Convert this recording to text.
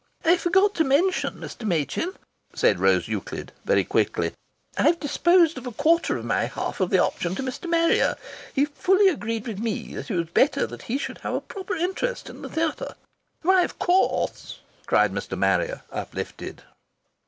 "I forgot to mention, Mr. Machin," said Rose Euclid, very quickly. "I've disposed of a quarter of my half of the option to Mr. Marrier. He fully agreed with me it was better that he should have a proper interest in the theatre." "Why of course!" cried Mr. Harrier, uplifted.